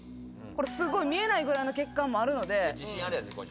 見えないぐらいの血管もあるので。